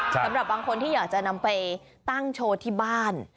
สำหรับบางคนที่อยากจะนำไปตั้งโชว์ที่บ้าน